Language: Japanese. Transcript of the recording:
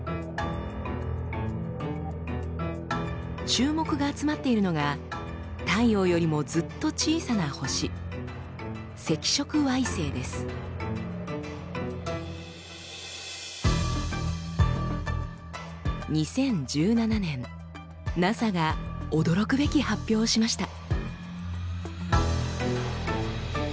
注目が集まっているのが太陽よりもずっと小さな星２０１７年ＮＡＳＡが驚くべき発表をしました。